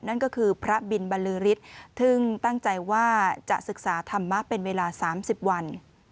นั่นก็คือพระบินบรรลือฤทธิ์ซึ่งตั้งใจว่าจะศึกษาธรรมะเป็นเวลา๓๐วัน